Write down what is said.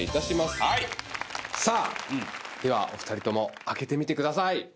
ではお二人とも開けてみてください。